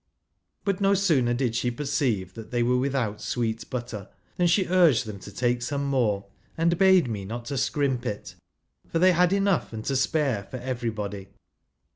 But no sooner did she i perceive that they wei*e without sweet butter i than she urged them to take some more, and bade me not scrimp it, for they had enough and to spai'e for everybody.